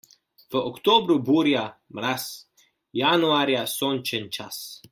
V oktobru burja, mraz, januarja sončen čas.